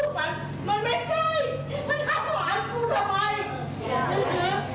มันทำหวานกูทำไม